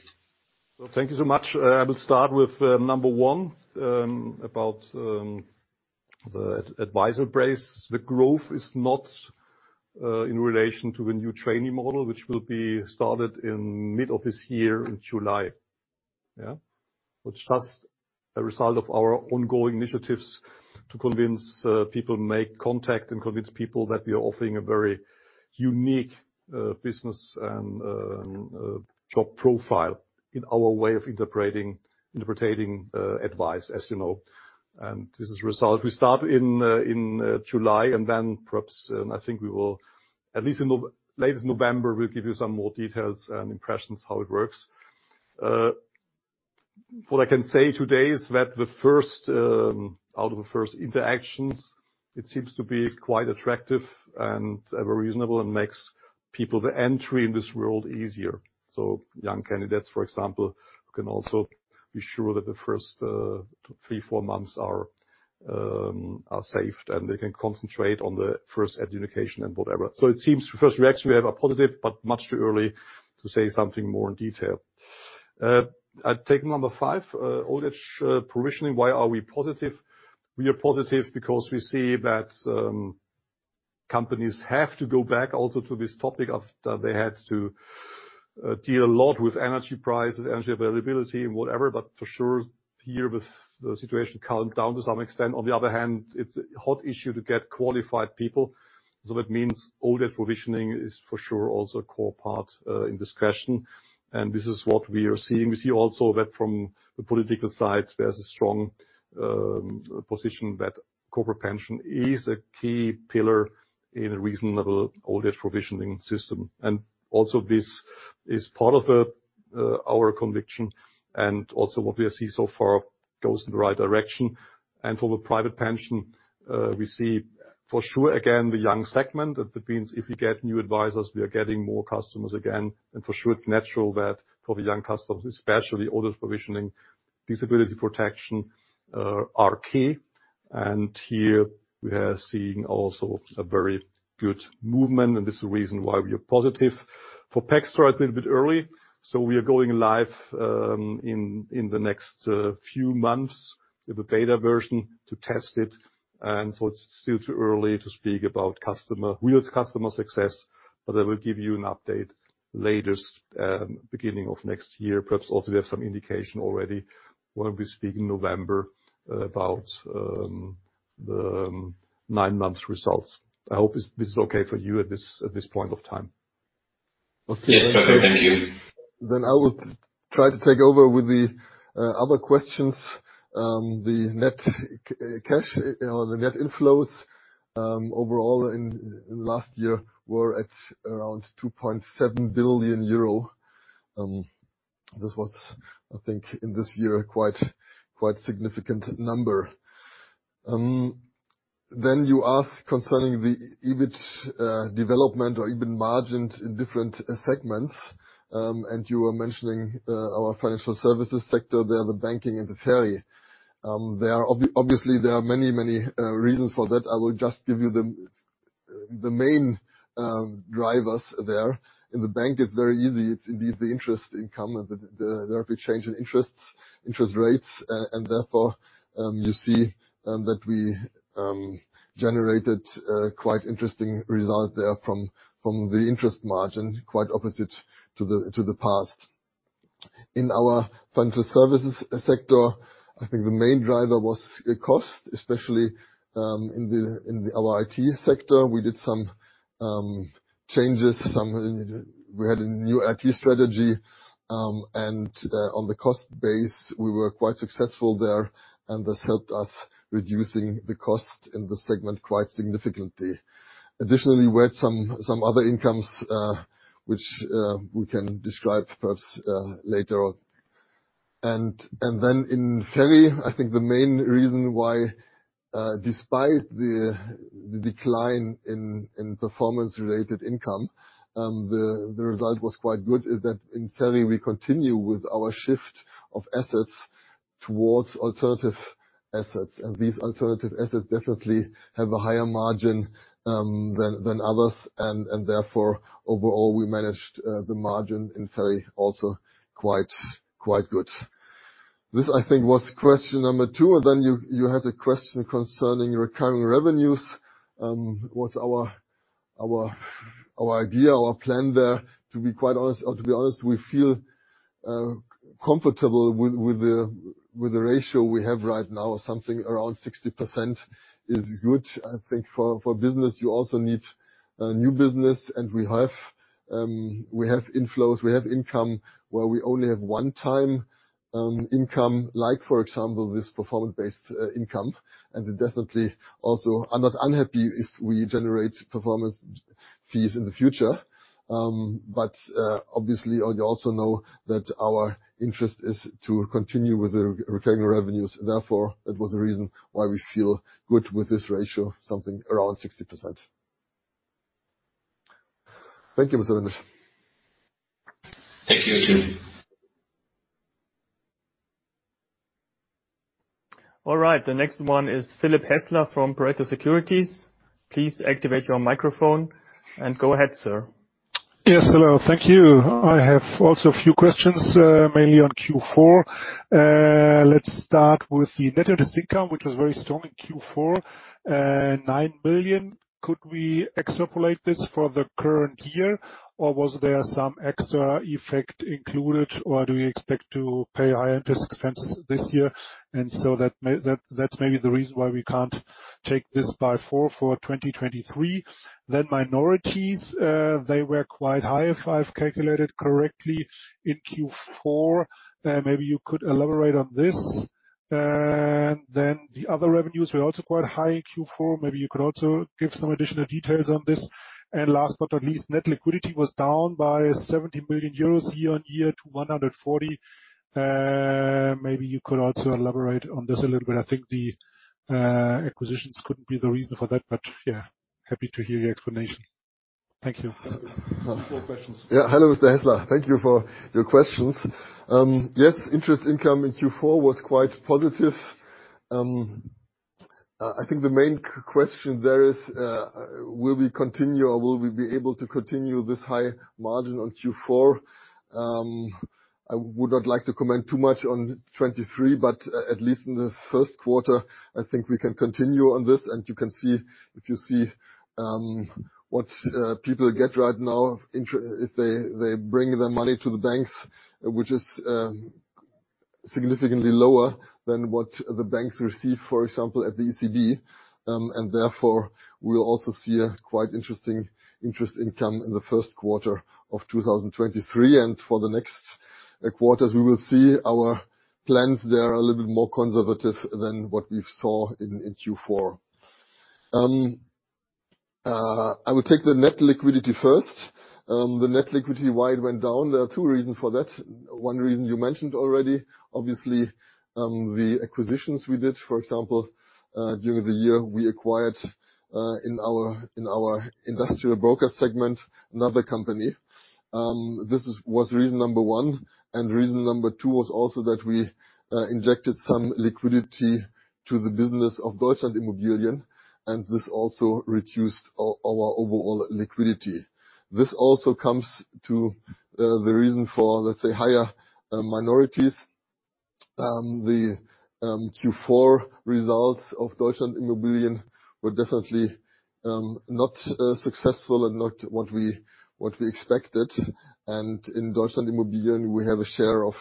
Well, thank you so much. I will start with number one about the advisor place. The growth is not in relation to the new trainee model, which will be started in mid of this year in July. Yeah. It's just a result of our ongoing initiatives to convince people, make contact and convince people that we are offering a very unique business and job profile in our way of interpreting advice, as you know. This is the result. We start in July and then perhaps, and I think we will at least in late November, we'll give you some more details and impressions how it works. What I can say today is that the first, out of the first interactions, it seems to be quite attractive and very reasonable and makes people the entry in this world easier. Young candidates, for example, can also be sure that the first, three, four months are safe, and they can concentrate on the first education and whatever. It seems the first reaction we have are positive, but much too early to say something more in detail. I take number five. Old age provisioning, why are we positive? We are positive because we see that companies have to go back also to this topic of they had to deal a lot with energy prices, energy availability and whatever. For sure, here with the situation calmed down to some extent. It's a hot issue to get qualified people, so that means all that provisioning is for sure also a core part in this question, and this is what we are seeing. We see also that from the political side, there's a strong position that corporate pension is a key pillar in a reasonable old age provisioning system. This is part of our conviction and also what we see so far goes in the right direction. For the private pension, we see for sure, again, the young segment. That means if we get new advisors, we are getting more customers again. For sure, it's natural that for the young customers especially, all those provisioning disability protection are key. Here we are seeing also a very good movement, and this is the reason why we are positive. For :pxtra, it's a little bit early. We are going live in the next few months with a beta version to test it. It's still too early to speak about real customer success. I will give you an update latest beginning of next year. Perhaps also we have some indication already when we speak in November about the nine-month results. I hope this is okay for you at this point of time. Yes, perfect. Thank you. I will try to take over with the other questions. The net cash or the net inflows overall in last year were at around 2.7 billion euro. This was, I think, in this year, quite significant number. You ask concerning the EBIT development or even margins in different segments. You were mentioning our financial services sector there, the banking and the FERI. Obviously, there are many reasons for that. I will just give you the main drivers there. In the bank, it's very easy. It's the interest income and the therapy change in interest rates. Therefore, you see that we generated a quite interesting result there from the interest margin, quite opposite to the past. In our financial services sector, I think the main driver was cost, especially in the, in our IT sector. We did some changes, some we had a new IT strategy, and on the cost base, we were quite successful there, and this helped us reducing the cost in the segment quite significantly. Additionally, we had some other incomes, which we can describe perhaps later on. Then in FERI, I think the main reason why, despite the decline in performance-related income, the result was quite good is that in FERI, we continue with our shift of assets towards alternative assets. These alternative assets definitely have a higher margin than others. Therefore, overall, we managed the margin in FERI also quite good. This, I think, was question number two. You had a question concerning recurring revenues. What's our idea, our plan there? To be quite honest or to be honest, we feel comfortable with the ratio we have right now. Something around 60% is good. I think for business, you also need new business. We have inflows, we have income where we only have one-time income, like for example, this performance-based income. Definitely also, I'm not unhappy if we generate performance fees in the future. Obviously, you also know that our interest is to continue with the recurring revenues. Therefore, that was the reason why we feel good with this ratio, something around 60%. Thank you, Mr. Windisch. Thank you. All right, the next one is Philipp Hässler from Pareto Securities. Please activate your microphone and go ahead, sir. Yes. Hello. Thank you. I have also a few questions, mainly on Q4. Let's start with the net interest income, which was very strong in Q4, 9 billion. Could we extrapolate this for the current year, or was there some extra effect included or do we expect to pay higher interest expenses this year? That's maybe the reason why we can't take this by four for 2023. Minorities, they were quite high, if I've calculated correctly in Q4. Maybe you could elaborate on this. The other revenues were also quite high in Q4. Maybe you could also give some additional details on this. Last but not least, net liquidity was down by 70 billion euros year-on-year to 140 billion. Maybe you could also elaborate on this a little bit. I think the acquisitions couldn't be the reason for that. Yeah, happy to hear your explanation. Thank you. Yeah. Four questions. Hello, Mr. Hässler. Thank you for your questions. Yes, interest income in Q4 was quite positive. I think the main question there is, will we continue or will we be able to continue this high margin on Q4? I would not like to comment too much on 2023, but at least in the first quarter, I think we can continue on this. You can see, if you see what people get right now if they bring their money to the banks, which is significantly lower than what the banks receive, for example, at the ECB. Therefore, we'll also see a quite interesting interest income in the first quarter of 2023. For the next quarters, we will see our plans there are a little bit more conservative than what we saw in Q4. I will take the net liquidity first. The net liquidity, why it went down. There are two reasons for that. One reason you mentioned already, obviously, the acquisitions we did. For example, during the year, we acquired in our industrial broker segment, another company. This was reason number one. Reason number two was also that we injected some liquidity to the business of DEUTSCHLAND.Immobilien, and this also reduced our overall liquidity. This also comes to the reason for, let's say, higher minorities. The Q4 results of DEUTSCHLAND.Immobilien were definitely not successful and not what we expected. In DEUTSCHLAND.Immobilien, we have a share of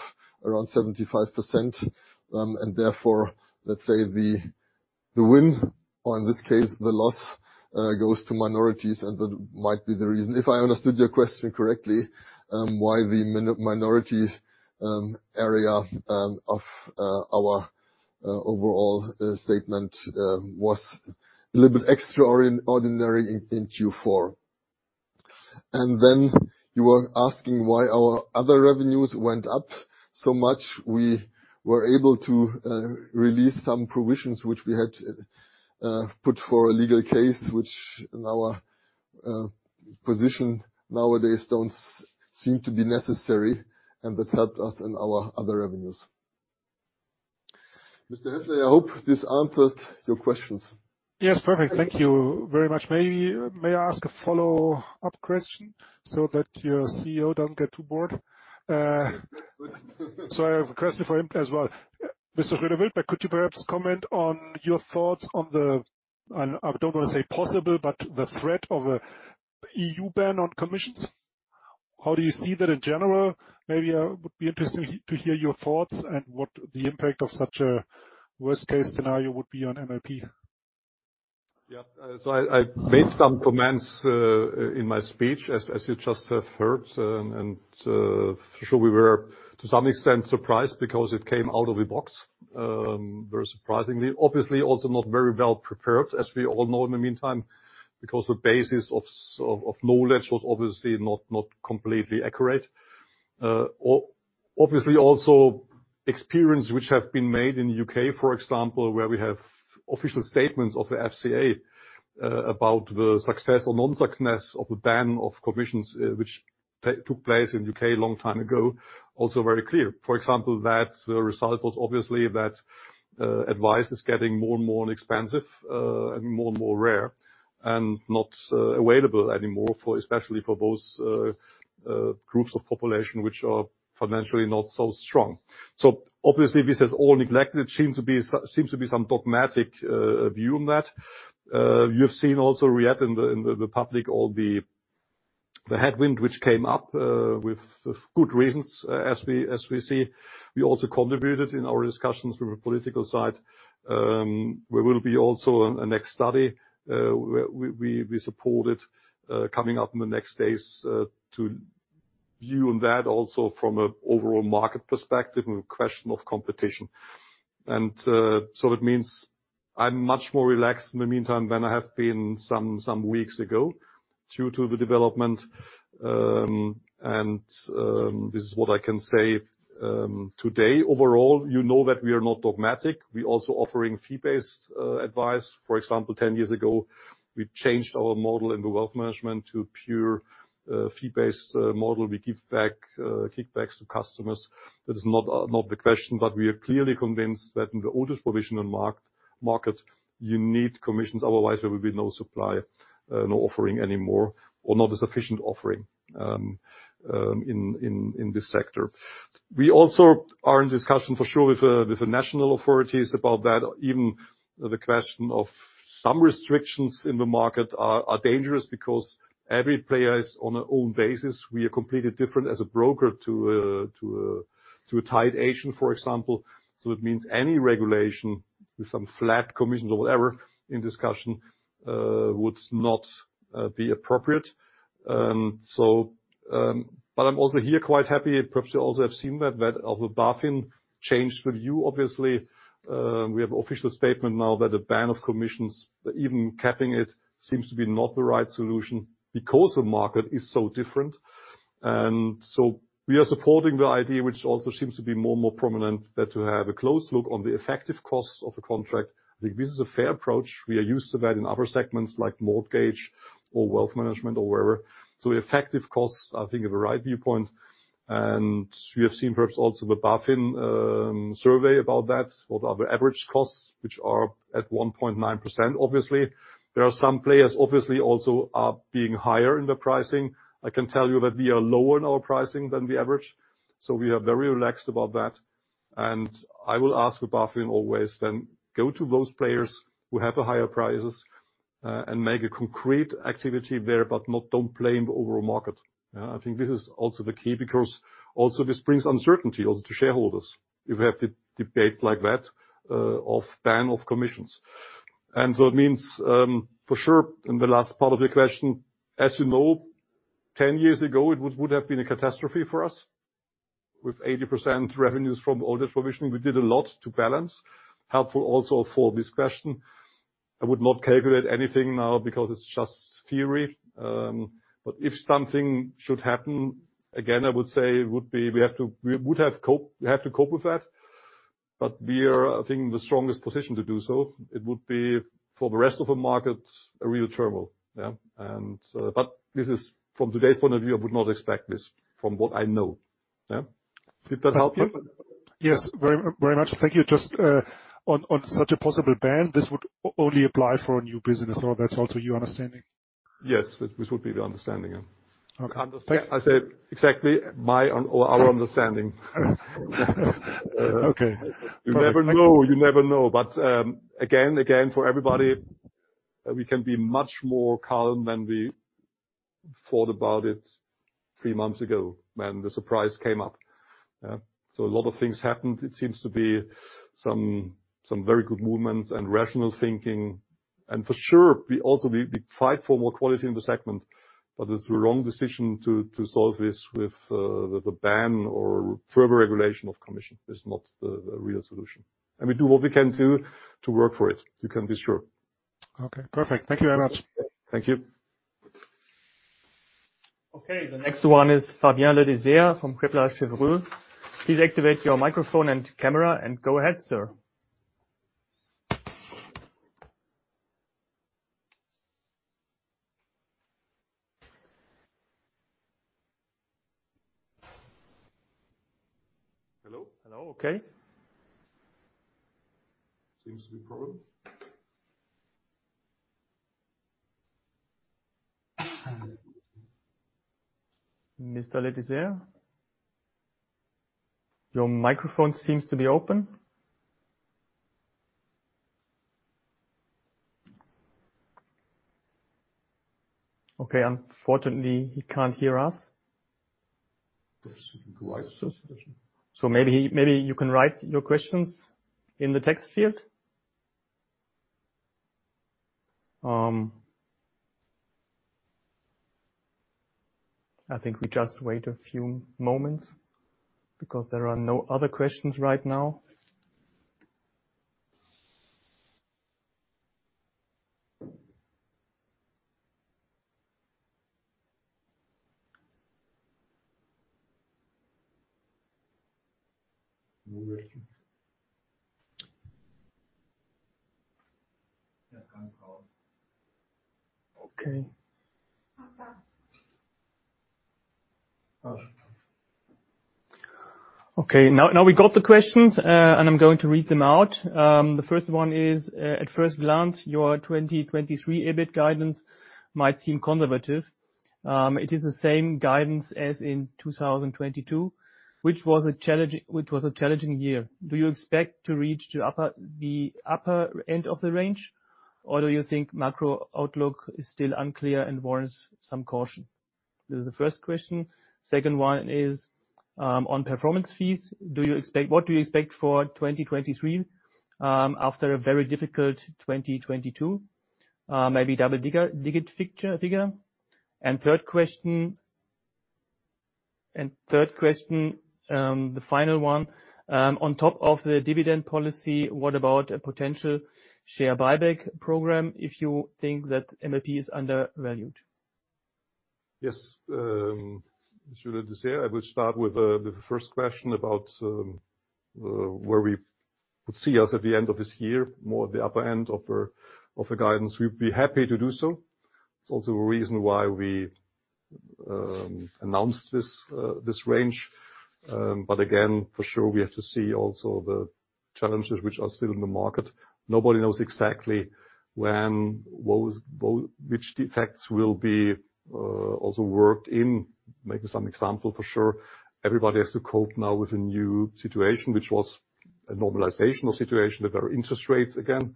around 75%. Therefore, let's say the The win, or in this case, the loss, goes to minorities. That might be the reason, if I understood your question correctly, why the minority area of our overall statement was a little bit extraordinary in Q4. Then you were asking why our other revenues went up so much. We were able to release some provisions which we had put for a legal case, which in our position nowadays don't seem to be necessary, and that helped us in our other revenues. Mr. Hässler, I hope this answered your questions. Yes. Perfect. Thank you very much. Maybe may I ask a follow-up question so that your CEO doesn't get too bored? I have a question for him as well. Mr. Wildberg, could you perhaps comment on your thoughts on the, and I don't wanna say possible, but the threat of a E.U. ban on commissions? How do you see that in general? Would be interesting to hear your thoughts and what the impact of such a worst-case scenario would be on MLP. Yeah. I made some comments in my speech, as you just have heard, we were, to some extent, surprised because it came out of the box very surprisingly. Obviously, also not very well prepared, as we all know in the meantime, because the basis of knowledge was obviously not completely accurate. Obviously also experience which have been made in the U.K., for example, where we have official statements of the FCA about the success or non-success of the ban of commissions which took place in U.K. a long time ago, also very clear. For example, that the result was obviously that advice is getting more and more expensive and more and more rare and not available anymore, for especially for those groups of population which are financially not so strong. Obviously, this is all neglected. It seems to be some dogmatic view on that. You've seen also react in the, in the public, all the headwind which came up with good reasons as we, as we see. We also contributed in our discussions from a political side. We will be also on a next study, we support it coming up in the next days, to view on that also from a overall market perspective and question of competition. It means I'm much more relaxed in the meantime than I have been some weeks ago due to the development, and this is what I can say today. Overall, you know that we are not dogmatic. We're also offering fee-based advice. For example, 10 years ago, we changed our model in the wealth management to pure fee-based model. We give back kickbacks to customers. That is not not the question, but we are clearly convinced that in the oldest provision and marked-market, you need commissions, otherwise there will be no supply, no offering anymore or not a sufficient offering in this sector. We also are in discussion for sure with the national authorities about that. Even the question of some restrictions in the market are dangerous because every player is on their own basis. We are completely different as a broker to a tied agent, for example. It means any regulation with some flat commissions or whatever in discussion would not be appropriate. I'm also here quite happy. Perhaps you also have seen that of a BaFin changed the view. Obviously, we have official statement now that a ban of commissions, even capping it, seems to be not the right solution because the market is so different. We are supporting the idea, which also seems to be more and more prominent, that to have a close look on the effective costs of the contract. I think this is a fair approach. We are used to that in other segments like mortgage or wealth management or wherever. Effective costs, I think, are the right viewpoint. You have seen perhaps also the BaFin survey about that. What are the average costs, which are at 1.9%, obviously. There are some players, obviously, also are being higher in their pricing. I can tell you that we are lower in our pricing than the average. We are very relaxed about that. I will ask the BaFin always, then go to those players who have a higher prices and make a concrete activity there, but not, don't blame the overall market. I think this is also the key, because also this brings uncertainty also to shareholders if we have to debate like that, of ban, of commissions. It means, for sure, in the last part of the question, as you know, 10 years ago, it would have been a catastrophe for us. With 80% revenues from order provision. We did a lot to balance. Helpful also for this question. I would not calculate anything now because it's just theory. If something should happen, again, I would say it would be, we would have cope, we have to cope with that. We are, I think, the strongest position to do so. It would be, for the rest of the market, a real turmoil. This is from today's point of view, I would not expect this from what I know. Did that help you? Yes, very, very much. Thank you. Just on such a possible ban, this would only apply for a new business. That's also your understanding? Yes. This would be the understanding. Yeah. Okay. I said exactly my or our understanding. Okay. You never know. You never know. Again, for everybody, we can be much more calm than we thought about it three months ago when the surprise came up. A lot of things happened. It seems to be some very good movements and rational thinking. For sure, we also, we fight for more quality in the segment, but it's the wrong decision to solve this with a ban or further regulation of commission. It's not the real solution. We do what we can do to work for it, you can be sure. Okay, perfect. Thank you very much. Thank you. Okay, the next one is Fabien Le Disert from Kepler Cheuvreux. Please activate your microphone and camera and go ahead, sir. Hello? Hello. Okay. Seems to be problem. Mr. Le Disert? Your microphone seems to be open. Okay. Unfortunately, he can't hear us. There's Maybe you can write your questions in the text field. I think we just wait a few moments because there are no other questions right now. No questions. Okay. Okay. Now we got the questions, I'm going to read them out. The first one is, at first glance, your 2023 EBIT guidance might seem conservative. It is the same guidance as in 2022, which was a challenging year. Do you expect to reach the upper end of the range? Do you think macro outlook is still unclear and warrants some caution? This is the first question. Second one is, on performance fees. What do you expect for 2023, after a very difficult 2022? Maybe double-digit figure. Third question, the final one. On top of the dividend policy, what about a potential share buyback program if you think that MLP is undervalued? Mr. Le Disert I will start with the first question about where we would see us at the end of this year, more at the upper end of a guidance. We'd be happy to do so. It's also a reason why we announced this range. Again, for sure, we have to see also the challenges which are still in the market. Nobody knows exactly when which defects will be also worked in. Maybe some example, for sure. Everybody has to cope now with a new situation, which was a normalizational situation with our interest rates again.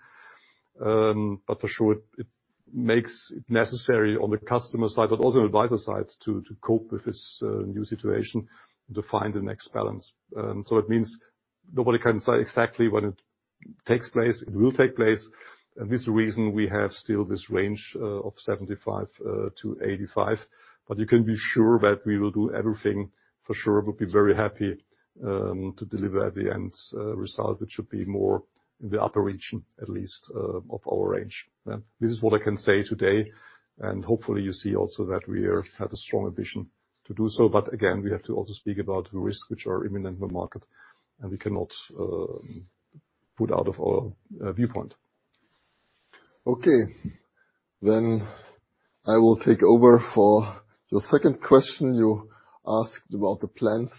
For sure it makes it necessary on the customer side, but also advisor side, to cope with this new situation to find the next balance. It means nobody can say exactly when it takes place. It will take place. This is the reason we have still this range of 75-85. You can be sure that we will do everything. For sure, we'll be very happy to deliver at the end result, which should be more in the upper region, at least, of our range. This is what I can say today, and hopefully you see also that we have a strong ambition to do so. Again, we have to also speak about risks which are imminent in the market and we cannot put out of our viewpoint. Okay. I will take over. For your second question, you asked about the plans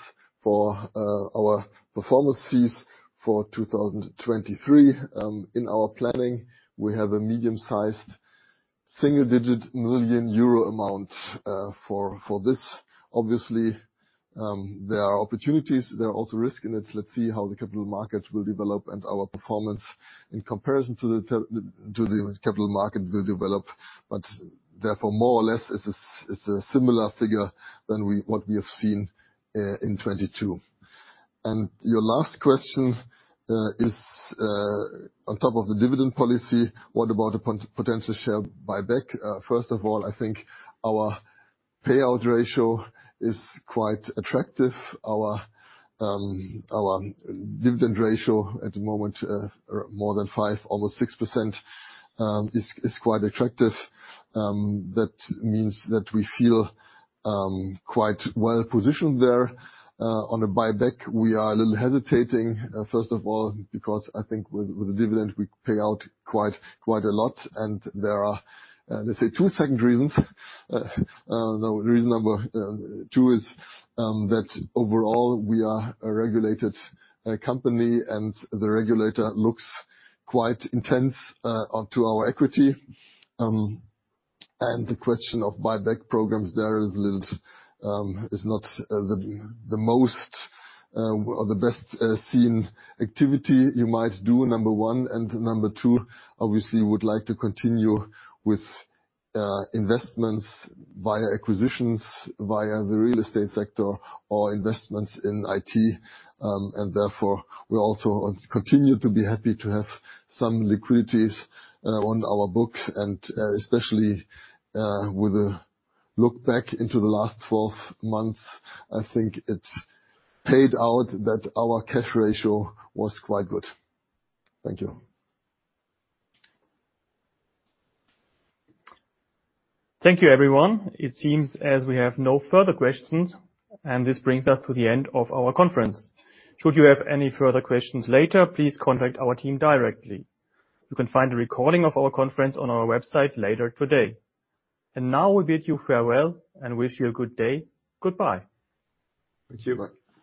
for our performance fees for 2023. In our planning, we have a medium-sized single-digit million euro amount for this. Obviously, there are opportunities, there are also risks in it. Let's see how the capital markets will develop and our performance in comparison to the capital market will develop. Therefore, more or less, it's a similar figure what we have seen in 2022. Your last question is on top of the dividend policy, what about a potential share buyback? First of all, I think our payout ratio is quite attractive. Our dividend ratio at the moment, more than 5%, almost 6%, is quite attractive. That means that we feel quite well-positioned there. On a buyback, we are a little hesitating, first of all because I think with the dividend we pay out quite a lot and there are, let's say two second reasons. The reason number two is that overall we are a regulated company and the regulator looks quite intense onto our equity. The question of buyback programs there is little, is not the most or the best seen activity you might do, number one. Number two, obviously we would like to continue with investments via acquisitions, via the real estate sector or investments in IT. Therefore we also continue to be happy to have some liquidities on our book. Especially, with a look back into the last 12 months, I think it's paid out that our cash ratio was quite good. Thank you. Thank you, everyone. It seems as we have no further questions. This brings us to the end of our conference. Should you have any further questions later, please contact our team directly. You can find a recording of our conference on our website later today. Now we bid you farewell and wish you a good day. Goodbye. Thank you. Bye.